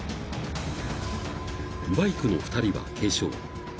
［バイクの２人は軽傷］